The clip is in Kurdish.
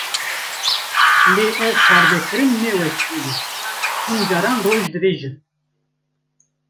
Lê ev parvekirin ne wek hev e; hin caran roj dirêj in.